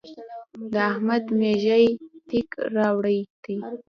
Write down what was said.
د احمد مېږي تېک راوړی دی.